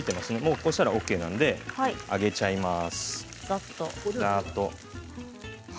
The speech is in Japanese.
こうしたらＯＫなので上げちゃいます。